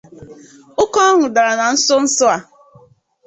Oke ọñụ dara na nsonso a